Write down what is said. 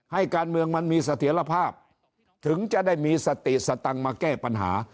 ให้การเมืองมันมีเสถียรภาพถึงจะได้มีสติสตังค์มาแก้ปัญหา